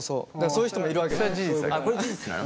そういう人もいるわけ。